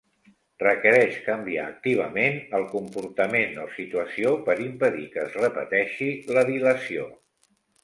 Requereix canviar activament el comportament o situació per impedir que es repeteixi la dilació.